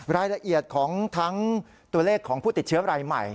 รายละเอียดของทั้งตัวเลขของผู้ติดเชื้อรายใหม่